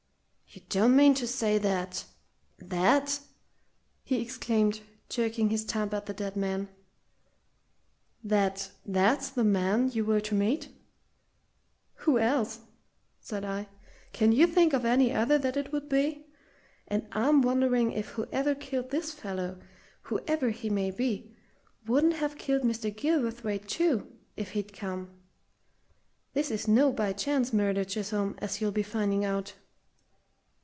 "You don't mean to say that that!" he exclaimed, jerking his thumb at the dead man; "that that's the man you were to meet?" "Who else?" said I. "Can you think of any other that it would be? And I'm wondering if whoever killed this fellow, whoever he may be, wouldn't have killed Mr. Gilverthwaite, too, if he'd come? This is no by chance murder, Chisholm, as you'll be finding out."